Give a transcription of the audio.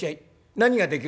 「何ができる？」。